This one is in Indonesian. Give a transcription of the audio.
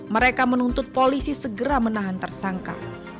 mereka menuntut polisi segera menahan tersangka